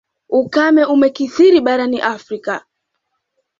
Ukame umekithiri barani Afrika.